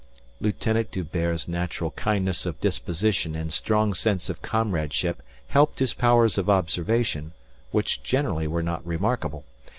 Lieutenant D'Hubert's natural kindness of disposition and strong sense of comradeship helped his powers of observation, which generally were not remarkable.